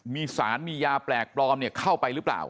มีสารมียาแปลกปลอมเข้าไปหรือเปล่า